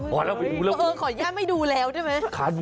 พอแล้วขออนุญาตไม่ดูแล้วใช่ไหม